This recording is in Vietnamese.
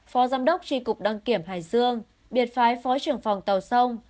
phó giám đốc tri cục đăng kiểm hải dương biệt phái phó trưởng phòng tàu sông